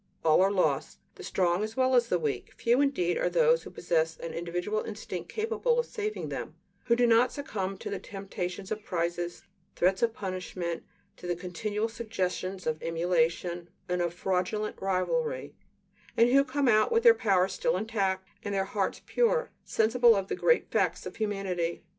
All are lost, the strong as well as the weak; few indeed are those who possess an individual instinct capable of saving them, who do not succumb to the temptations of prizes, threats of punishment, to the continual suggestions of emulation and of fraudulent rivalry, and who come out with their powers still intact and their hearts pure, sensible of the great facts of humanity.